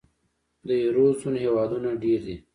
د یورو زون هېوادونه ډېر دي.